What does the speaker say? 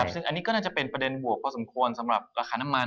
ซึ่งอันนี้ก็น่าจะเป็นประเด็นบวกพอสมควรสำหรับราคาน้ำมัน